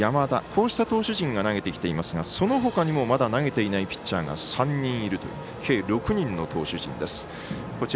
こうした投手陣が投げてきていますがその他にも、まだ投げていないピッチャーが３人いるという計６人の投手陣です。